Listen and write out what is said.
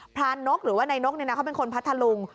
พรานนกหรือว่าในนกเนี่ยนะเขาเป็นคนพัฒน์ทะลุง